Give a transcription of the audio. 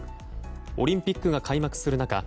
オリンピックが開幕する中